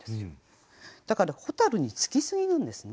だから蛍につきすぎるんですね。